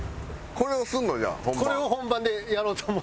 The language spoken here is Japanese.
これを本番でやろうと思ってて。